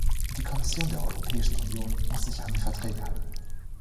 Die Kommission der Europäischen Union muss sich an die Verträge halten.